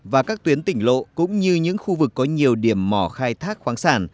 và các tuyến tỉnh lộ cũng như những khu vực có nhiều điểm mỏ khai thác khoáng sản